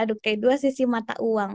dua sisi mata uang